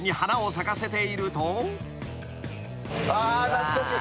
懐かしい。